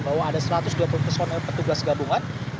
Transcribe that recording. bahwa ada serat tersebut yang akan dikawal oleh petugas yang bertugas di sini